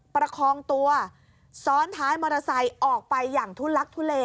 ประคองตัวซ้อนท้ายมอเตอร์ไซค์ออกไปอย่างทุลักทุเล